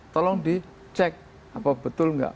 tolong dicek apa betul nggak